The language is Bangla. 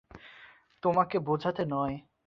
তোমাকে বোঝাতে নয়।